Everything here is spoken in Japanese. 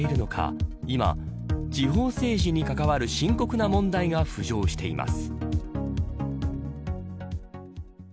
こうしたことが影響しているのか地方政治に関わる深刻な問題が浮上しています。